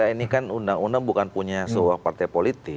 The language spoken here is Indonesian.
ini kan undang undang bukan punya sebuah partai politik